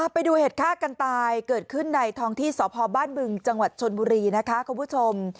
ไปดูเหตุฆ่ากันตายเกิดขึ้นในท้องที่สพบ้านบึงจังหวัดชนบุรีนะคะคุณผู้ชม